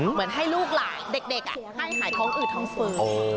เหมือนให้ลูกหลานเด็กให้หายท้องอืดท้องฟื้น